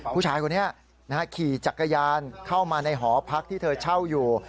ผู้ชายคนนี้ขี่จักรยานเข้ามาในหอพักที่เธอเช่าอยู่